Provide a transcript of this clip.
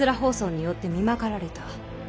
疱瘡によってみまかられた。